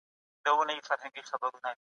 د سياست علم د عموميوالي څخه زيات وخت تېرېږي.